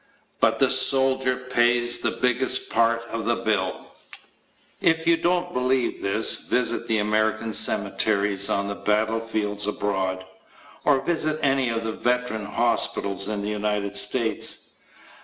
But the soldier pays the biggest part of the bill. If you don't believe this, visit the American cemeteries on the battlefields abroad. Or visit any of the veteran's hospitals in the United States.